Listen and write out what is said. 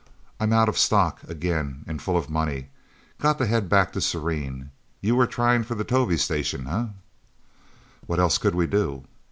I'm out of stock, again, and full of money got to head back to Serene... You were trying for the Tovie station, eh?" "What else could we do?"